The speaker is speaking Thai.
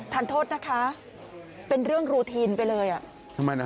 ทานโทษนะคะเป็นเรื่องรูทีนไปเลยอ่ะทำไมนะ